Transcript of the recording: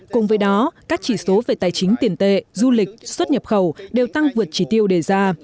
cùng với đó các chỉ số về tài chính tiền tệ du lịch xuất nhập khẩu đều tăng vượt chỉ tiêu đề ra